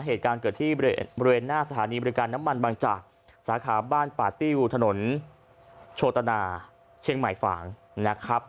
เหตุการณ์เกิดที่บริเวณหน้าสถานีบริการน้ำมันบางจากสาขาบ้านป่าติ้วถนนโชตนาเชียงใหม่ฝ่างนะครับ